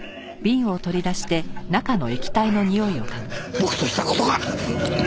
僕とした事が！